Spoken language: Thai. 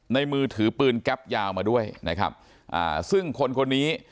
มือถือปืนแก๊ปยาวมาด้วยนะครับอ่าซึ่งคนคนนี้